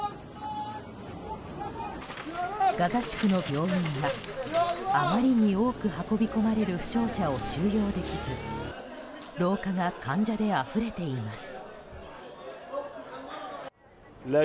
ガザ地区の病院はあまりに多く運び込まれる負傷者を収容できず廊下が患者であふれています。